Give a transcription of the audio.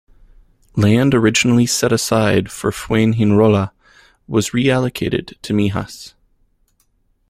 Land originally set aside for Fuengirola was reallocated to Mijas.